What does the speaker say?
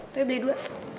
tuh beli dua